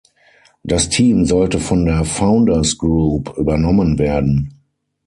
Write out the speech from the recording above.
Das Team sollte von der „Founders Group“ übernommen werden.